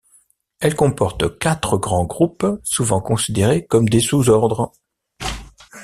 Elle comporte quatre grands groupes souvent considérés comme des sous-ordres.